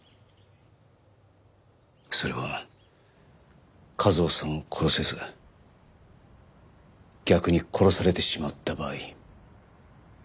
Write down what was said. それは一雄さんを殺せず逆に殺されてしまった場合。